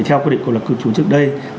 theo quy định của luật cư trú trước đây